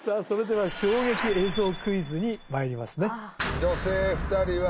それでは衝撃映像クイズにまいりますね